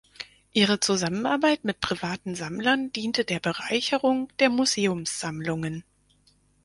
Ihre Zusammenarbeit mit privaten Sammlern diente der Bereicherung der Museumssammlungen.